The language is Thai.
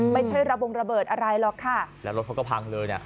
ไม่ใช่ระบงระเบิดอะไรหรอกค่ะแล้วรถเขาก็พังเลยเนี่ย